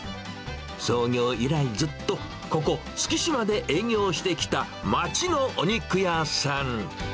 創業以来ずっと、ここ、月島で営業してきた街のお肉屋さん。